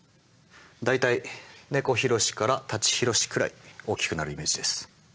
大体、猫ひろしから舘ひろしくらい大きくなるイメージです。